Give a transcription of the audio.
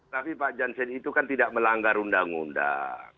tapi pak jansen itu kan tidak melanggar undang undang